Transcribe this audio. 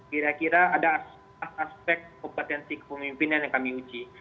kira kira ada aspek kompetensi kepemimpinan yang kami uji